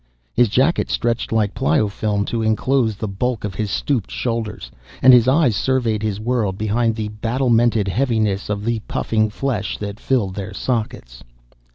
His jacket stretched like pliofilm to enclose the bulk of his stooped shoulders, and his eyes surveyed his world behind the battlemented heaviness of the puffing flesh that filled their sockets.